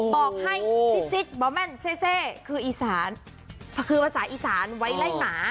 บอกให้ซิดบอแมนเซคืออีสานคือภาษาอีสานไว้ไล่หมา